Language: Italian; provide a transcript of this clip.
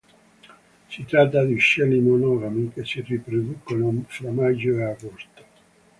Si tratta di uccelli monogami, che si riproducono fra maggio e agosto.